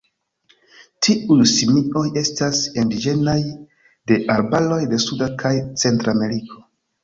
Tiuj simioj estas indiĝenaj de arbaroj de Suda kaj Centrameriko.